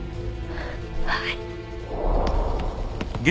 はい